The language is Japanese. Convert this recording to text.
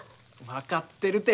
分かってるて。